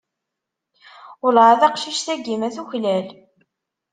Welleh a taqcict-agi ma tuklal.